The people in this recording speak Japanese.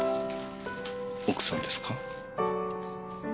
奥さんですか？